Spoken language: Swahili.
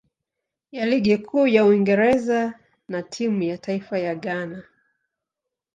ya Ligi Kuu ya Uingereza na timu ya taifa ya Ghana.